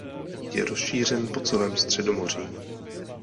Je rozšířen po celém Středomoří.